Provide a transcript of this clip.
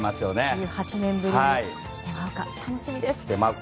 １８年ぶりにしてまうか、楽しみです。